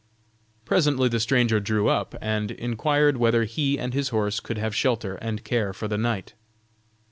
Presently the stranger drew up, and inquired whether he and his horse could have shelter and care for the night.